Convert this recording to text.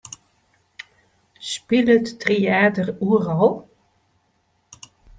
Spilet Tryater oeral?